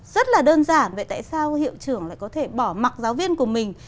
rất là đơn giản vậy tại sao hiệu trưởng lại có thể bỏ mặc giáo viên của mình